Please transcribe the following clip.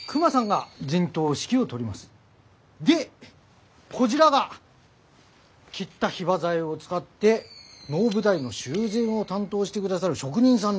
でこぢらが切ったヒバ材を使って能舞台の修繕を担当してくださる職人さんだぢです。